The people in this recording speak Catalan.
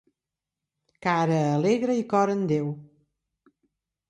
Cara alegre i cor en Déu.